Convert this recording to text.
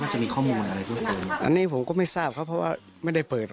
ว่าจะมีข้อมูลอะไรอันนี้ผมก็ไม่ทราบเขาเพราะว่าไม่ได้เปิด